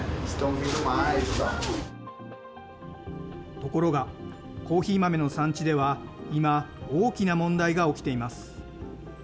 ところが、コーヒー豆の産地では、今、大きな問題が起きています。